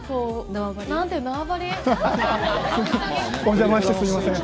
お邪魔してすいません。